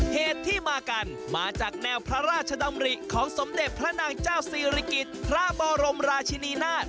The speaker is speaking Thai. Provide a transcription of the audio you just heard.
เหตุที่มากันมาจากแนวพระราชดำริของสมเด็จพระนางเจ้าศิริกิจพระบรมราชินีนาฏ